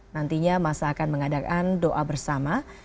nantinya masa akan mengadakan doa bersama